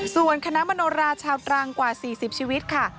ส่วนคณะมโนราชาวตรังกว่า๔๐ชีวิตค่ะ